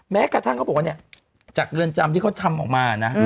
แม้กระทั่งตอนนี่แต่จากเรือนจำที่เขาทำออกมา